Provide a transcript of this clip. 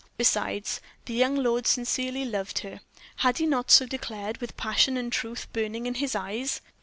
Besides, the young lord sincerely loved her. Had he not so declared, with passion and truth burning in his eyes?